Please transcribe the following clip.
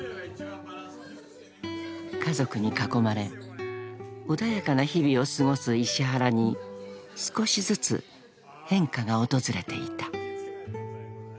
［家族に囲まれ穏やかな日々を過ごす石原に少しずつ変化が訪れていた］